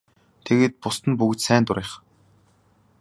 Тэгээд бусад нь бүгд сайн дурынхан.